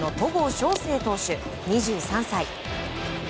翔征投手、２３歳。